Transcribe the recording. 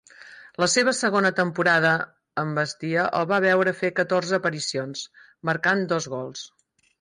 La seva segona temporada amb Bastia el va veure fer catorze aparicions, marcant dos gols.